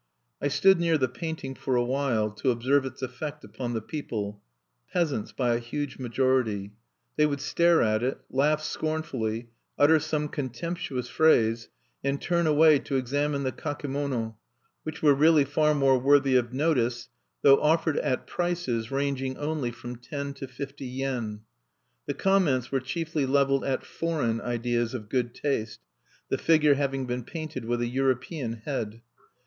I stood near the painting for a while to observe its effect upon the people, peasants by a huge majority. They would stare at it, laugh scornfully, utter some contemptuous phrase, and turn away to examine the kakemono, which were really far more worthy of notice though offered at prices ranging only from ten to fifty yen. The comments were chiefly leveled at "foreign" ideas of good taste (the figure having been painted with a European head).